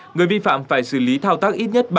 người vi phạm phải xử lý thao tác ít nhất